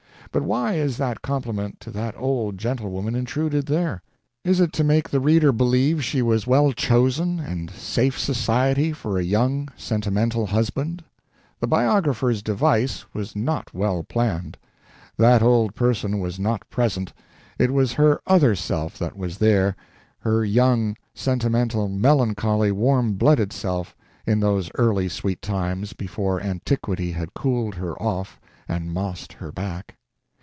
But why is that compliment to that old gentlewoman intruded there? Is it to make the reader believe she was well chosen and safe society for a young, sentimental husband? The biographer's device was not well planned. That old person was not present it was her other self that was there, her young, sentimental, melancholy, warm blooded self, in those early sweet times before antiquity had cooled her off and mossed her back.